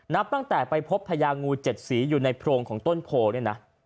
นับตั้งแต่ไปพบพญางู๗สีอยู่ในโพรงของต้นโพเนี่ยนะ